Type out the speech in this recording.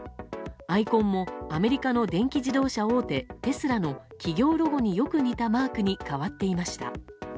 アイコンも、アメリカの電気自動車大手テスラの企業ロゴに、よく似たマークに変えられていました。